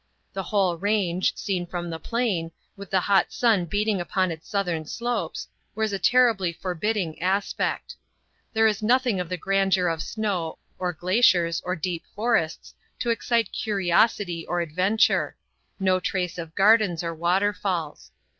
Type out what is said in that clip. The whole range, seen from the plain, with the hot sun beating upon its southern slopes, wears a terribly forbidding aspect. There is nothing of the grandeur of snow, or glaciers, or deep forests, to excite curiosity or adventure; no trace of gardens or waterfalls.